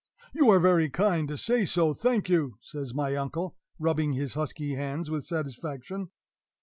"You are very kind to say so; thank you!" says my uncle, rubbing his husky hands with satisfaction.